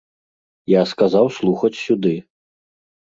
Я сказаў слухаць сюды.